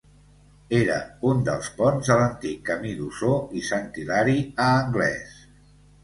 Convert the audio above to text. Era un dels ponts de l'antic camí d'Osor i Sant Hilari a Anglès.